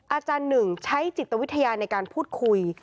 อาจารย์หนึ่งใช้จิตวิทยาในการพูดคุย